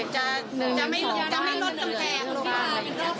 จะไม่ลดจำแพง